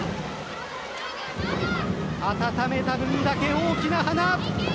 温めた分だけ大きな花。